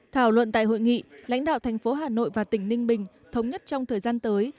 thảo luận tại hội nghị lãnh đạo thành phố hà nội và tỉnh ninh bình thống nhất trong thời gian tới